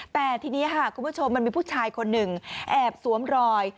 แต่ทีนี้ค่ะคุณผู้ชมมันมีผู้ชายคนหนึ่งแอบสวมรอย